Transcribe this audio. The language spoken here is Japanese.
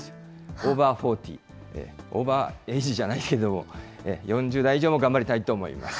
オーバー４０、オーバーエイジじゃないけれども、４０代以上も頑張りたいと思います。